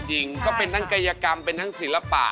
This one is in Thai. จริงก็เป็นทั้งกายกรรมเป็นทั้งศิลปะ